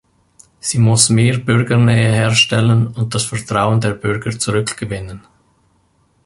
Sie muss mehr Bürgernähe herstellen und das Vertrauen der Bürger zurückgewinnen.